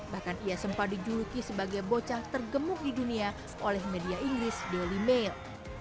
bahkan ia sempat dijuluki sebagai bocah tergemuk di dunia oleh media inggris daily mail